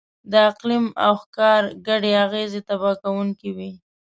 د اقلیم او ښکار ګډې اغېزې تباه کوونکې وې.